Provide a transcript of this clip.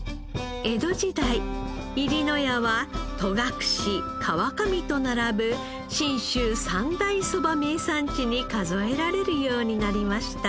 江戸時代入野谷は戸隠川上と並ぶ信州三大そば名産地に数えられるようになりました。